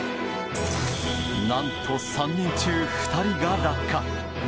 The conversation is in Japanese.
何と３人中、２人が落下。